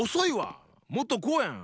もっとこうやん！